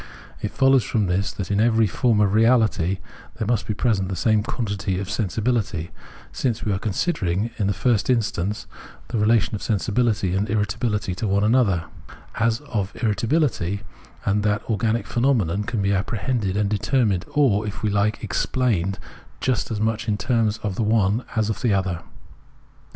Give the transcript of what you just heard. It follows from this that in every form of reahty there must be present the same quantity of sensibihty —since we are considering, in the first instance, the 260 Phenmnenology of Mind relation of sensibility and irritability to one another — as of irritability, and that an organic phenomenon can be apprehended and determined or, if we like, explained, just as much in terms of the one as of the other.